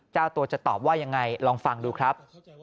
เจ้าตัวจะตอบว่ายังไงลองฟังดูครับ